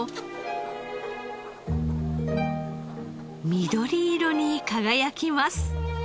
緑色に輝きます。